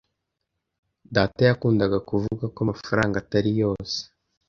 Data yakundaga kuvuga ko amafaranga atari yose.